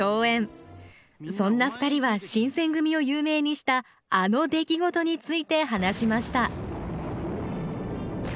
そんな２人は新選組を有名にしたあの出来事について話しました